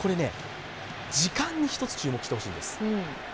時間に１つ注目してほしいんです。